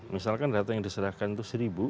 misalkan data yang diserahkan itu seribu